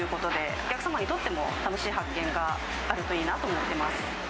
お客様にとっても楽しい発見があるといいなと思ってます。